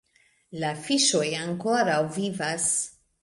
La fiŝoj ankoraŭ vivas